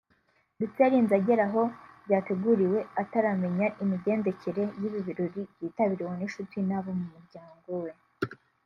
ndetse yarinze agera aho byategururiwe ataramenya imigendekere y’ibi birori byitabiriwe n’inshuti n’abo mu muryango we